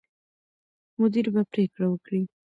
مدیر به پرېکړه وکړي.